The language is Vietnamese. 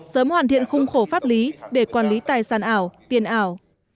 sớm hoàn thiện khung khổ pháp lý để quản lý tài sản ảo tiền ảo